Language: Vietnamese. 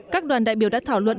các đoàn đại biểu đã thảo luận